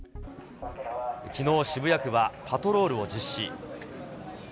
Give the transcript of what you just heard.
きのう、渋谷区はパトロールを実施。